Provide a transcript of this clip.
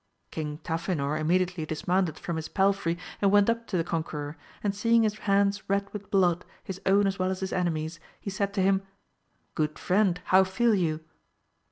King Tafinor immediately dismounted from his palfrey and went up to the conqueror, and seeing his hands red with blood, his own as well as his enemy's, he said to him. Good friend, how feel you